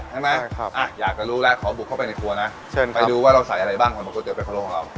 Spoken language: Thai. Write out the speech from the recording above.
ใช่ไหมใช่ครับอ่าอยากจะรู้แล้วขอบุกเข้าไปในครัวนะเชิญครับไปดูว่าเราใส่อะไรบ้างของก๋วยเตี๋ยวเป็ดคอโล่ของเรา